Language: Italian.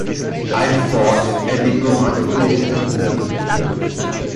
Air Force e diplomatico degli Stati Uniti.